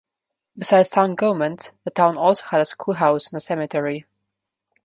Besides town government, the town also had a schoolhouse and cemetery.